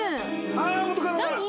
ああ元カノだ！